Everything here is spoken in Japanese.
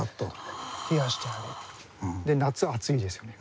夏暑いですよね。